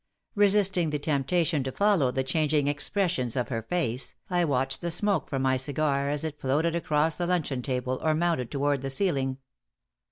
Resisting the temptation to follow the changing expressions of her face, I watched the smoke from my cigar as it floated across the luncheon table or mounted toward the ceiling.